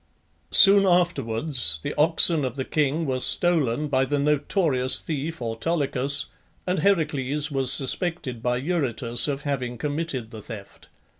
Soon afterwards the oxen of the king were stolen by the notorious thief Autolycus, and Heracles was suspected by Eurytus of having committed the theft.